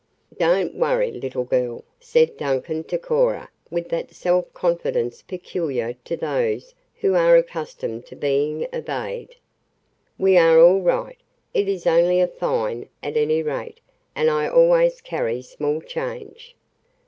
"Don't worry, little girl," said Duncan to Cora with that self confidence peculiar to those who are accustomed to being obeyed. "We are all right. It is only a fine, at any rate, and I always carry small change."